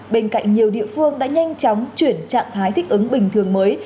bên cạnh nhiều địa phương đã nhanh chóng chuyển trạng thái thích ứng bình thường mới